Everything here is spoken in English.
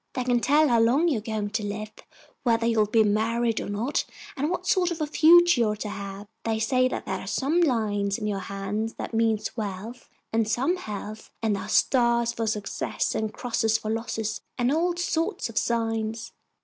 They can tell how long you're going to live, whether you'll be married or not, and what sort of a future you're to have. They say that there are some lines in your hand that mean wealth, and some health, and there are stars for success and crosses for losses and all sorts of signs."